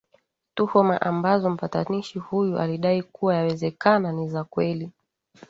tuhma ambazo mpatanishi huyu alidai kuwa yawezekana ni za kweli